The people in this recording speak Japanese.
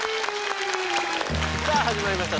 さあ始まりました